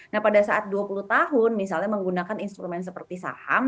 nah pada saat dua puluh tahun misalnya menggunakan instrumen seperti saham